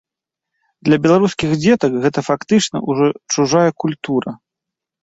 Для беларускіх дзетак гэта фактычна ўжо чужая культура.